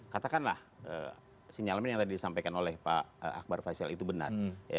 katakanlah sinyal yang tadi disampaikan oleh pak akbar faisal itu benar